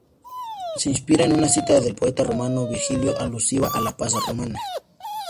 Se inspira en una cita del poeta romano Virgilio alusiva a la paz romana.